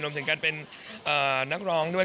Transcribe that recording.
รวมถึงการเป็นนักร้องด้วย